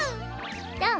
どう？